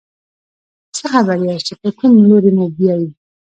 څه خبر یاست چې په کوم لوري موبیايي.